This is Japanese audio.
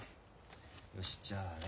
よしじゃあね